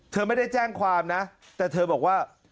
เธอไม่ได้แจ้งความนะแต่เธอบอกว่า